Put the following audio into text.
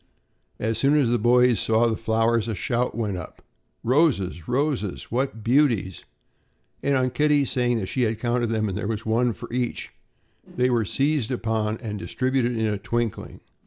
As soon as the boys saw the flowers, a shout went up: "Roses! roses! What beauties!" and on Kitty saying that she had counted them and there was one for each, they were seized upon and distributed in a twinkling.